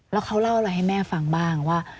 แล้วเขาเล่าอะไรให้แม่ฟังบ้างว่า